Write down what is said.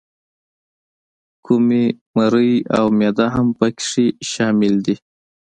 کومي، مرۍ او معده هم پکې شامل دي.